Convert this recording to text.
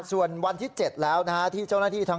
ส่วนวันที่๗แล้วนะฮะที่เจ้าหน้าที่ทั้ง